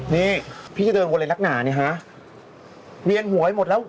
เนี้ยพี่จะเดินไปเลยนักหนานี่ฮะเบียนหัวไปหมดแล้ว